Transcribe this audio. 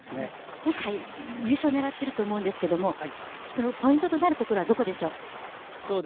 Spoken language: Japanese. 今回優勝を狙っていると思うんですけど、ポイントとなるところはどこでしょう？